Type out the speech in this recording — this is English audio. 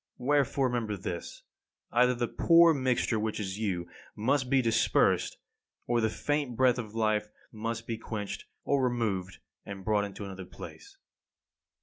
Wherefore remember this: either the poor mixture which is you, must be dispersed, or the faint breath of life must be quenched, or removed and brought into another place.